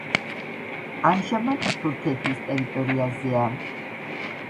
ამჟამად თურქეთის ტერიტორიაზეა.